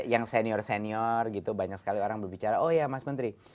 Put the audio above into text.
yang senior senior gitu banyak sekali orang berbicara oh ya mas menteri